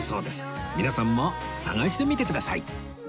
皆さんも探してみてください